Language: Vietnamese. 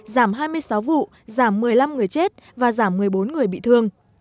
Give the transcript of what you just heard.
giảm hai mươi sáu vụ giảm một mươi năm người chết và giảm một mươi bốn người bị thương